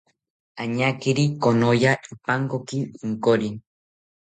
Añakiri konoya ipankoki inkori